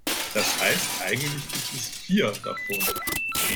Das heißt, eigentlich gibt es vier davon.